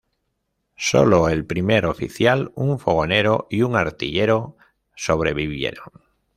Solo el primer oficial, un fogonero y un artillero sobrevivieron.